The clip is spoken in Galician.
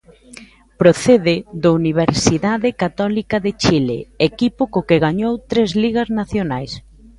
Procede do Universidade Católica de Chile, equipo co que gañou tres ligas nacionais.